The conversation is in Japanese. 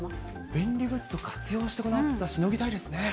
便利グッズを活用して、暑さしのぎたいですね。